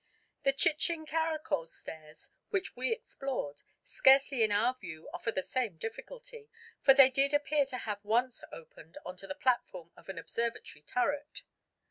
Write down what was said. The Chichen Caracol stairs, which we explored, scarcely in our view offer the same difficulty, for they did appear to have once opened on to the platform of an observatory turret.